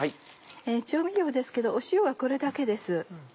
調味料ですけど塩はこれだけです。